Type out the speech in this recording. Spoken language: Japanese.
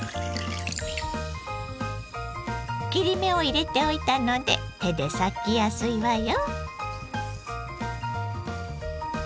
切り目を入れておいたので手で裂きやすいわよ。